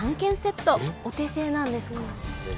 お手製なんですか。